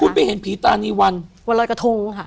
คุณไปเห็นผีตานีวันวันรอยกระทงค่ะ